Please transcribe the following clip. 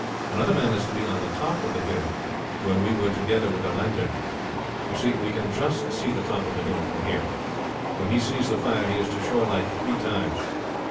Another man is to be on the top of the hill, where we were together with a lantern. You see, we can just see the top of the hill from here. When he sees the fire he is to show a light three times.